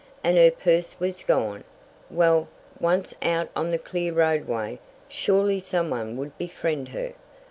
And her purse was gone! Well, once out on the clear roadway, surely some one would befriend her.